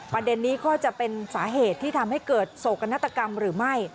ประเด็นนี้ก็จะเป็นสาเหตุที่ทำให้เกิดโศกนาฏกรรมหรือไม่